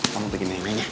kamu bagiin neneknya